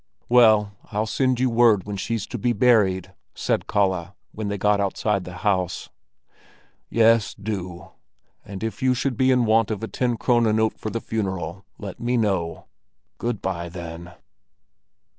"Well, I'll send you word when she's to be buried," said Kalle, when they got outside the house. "Yes, do! And if you should be in want of a ten krone note for the funeral, let me know. Good bye, then!"